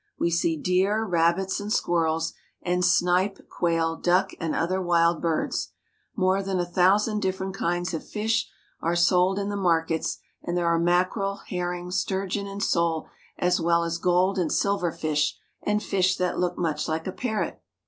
We see deer, rabbits, and squirrels, and snipe, quail, duck, and other wild birds. More than a thousand different kinds of fish are sold in the markets, and there are mackerel, herring, sturgeon, and sole, as well as gold and silver fish and fish that look much like a parrot.